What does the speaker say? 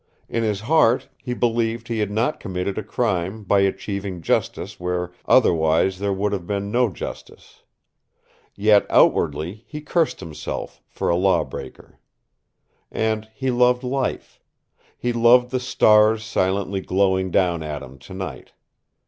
In his heart he believed he had not committed a crime by achieving justice where otherwise there would have been no justice. Yet outwardly he cursed himself for a lawbreaker. And he loved life. He loved the stars silently glowing down at him tonight.